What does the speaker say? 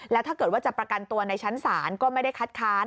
แล้วถ้าเกิดว่าจะประกันตัวในชั้นศาลก็ไม่ได้คัดค้าน